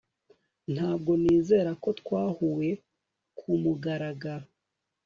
Ntabwo nizera ko twahuye kumugaragaro